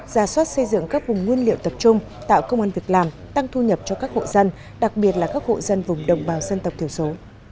ra soát xây dựng các vùng nguyên liệu tập trung tạo công an việc làm tăng thu nhập cho các hộ dân đặc biệt là các hộ dân vùng đồng bào dân tộc thiểu số